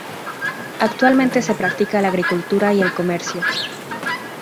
Actualmente se practica la agricultura y el comercio.